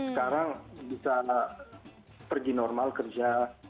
sekarang bisa pergi normal kerja